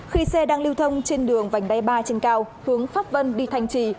khi xe đang lưu thông trên đường vành đáy ba trên cao hướng pháp vân đi thành trì